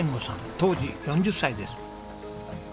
当時４０歳です。